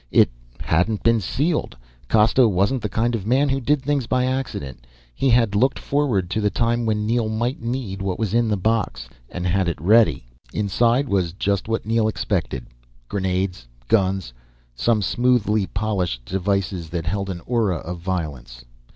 It hadn't been sealed. Costa wasn't the kind of man who did things by accident. He had looked forward to the time when Neel might need what was in this box, and had it ready. Inside was just what Neel expected. Grenades, guns, some smoothly polished devices that held an aura of violence.